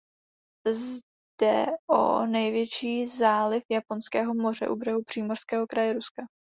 Jde o největší záliv Japonského moře u břehu Přímořského kraje Ruska.